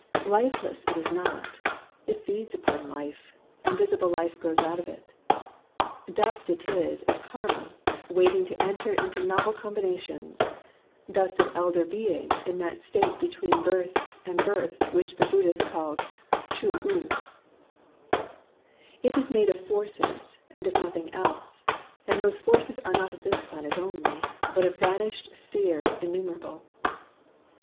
Lifeless it is not : it feeds upon life, and visi ble life grows out of it. Dust it is of Karma, waiting to enter into novel combinations, — dust of elder Being in that state between birth and birth which the Buddhist calls Chu U. DUST 89 It is made of forces, and of notliing else ; and those forces are not of this planet only, but of vanished spheres innumerable.